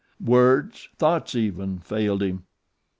Words, thoughts even, failed him.